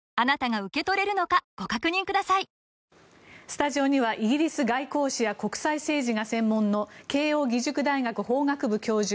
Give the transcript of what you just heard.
スタジオにはイギリス外交史や国際政治が専門の慶應義塾大学法学部教授